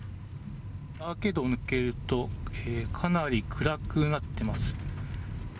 アーケードを抜けると、かなり暗くなってます。